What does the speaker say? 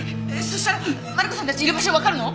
そしたらマリコさんたちがいる場所がわかるの？